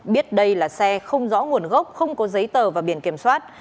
biết đây là xe không rõ nguồn gốc không có giấy tờ và biển kiểm soát